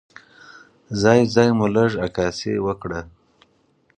ځای ځای مو لږه عکاسي وکړه.